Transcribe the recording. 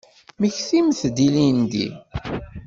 Mmektimt-d ilindi.